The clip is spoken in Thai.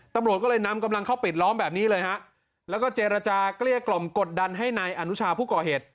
ตำรวจก็เลยนำกำลังเข้าปิดล้อมแบบนี้เลยฮะแล้วก็เจรจาเกลี้ยกล่อมกดดันให้นายอนุชาผู้ก่อเหตุ